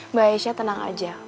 mbak aisyah tenang aja